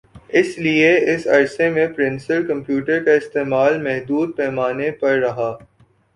اس لئے اس عرصے میں پرسنل کمپیوٹر کا استعمال محدود پیمانے پر رہا